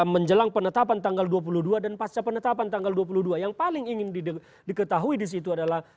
menjelang penetapan tanggal dua puluh dua dan pasca penetapan tanggal dua puluh dua yang paling ingin diketahui di situ adalah